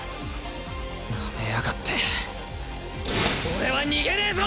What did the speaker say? ナメやがって俺は逃げねえぞ！